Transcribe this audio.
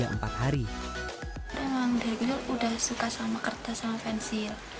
rahma dari dulu sudah suka sama kertas sama pensil